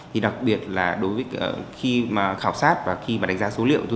thì đặc biệt là khi mà khảo sát và khi mà đánh giá số liệu tôi thấy rằng là cái số